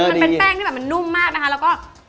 มันเป็นแป้งที่แบบมันนุ่มมากนะคะแล้วก็